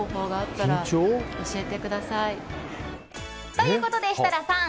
ということで、設楽さん。